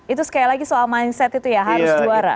itu sekali lagi soal mindset itu ya harus juara